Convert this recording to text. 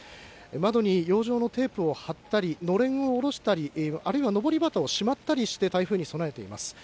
窓に養生のテープを貼ったり、のれんをおろしたり、あるいはのぼり旗をしまったりして台風に備えています。